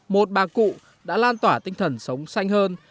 một bà cụ đã lan tỏa tinh thần sống xanh hơn